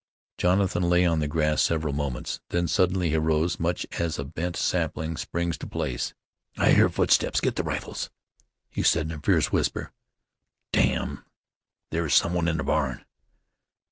Jonathan lay on the grass several moments; then suddenly he arose much as a bent sapling springs to place. "I hear footsteps. Get the rifles," he said in a fierce whisper. "Damn! There is some one in the barn."